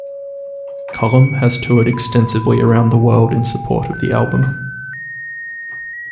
Cullum has toured extensively around the world in support of the album.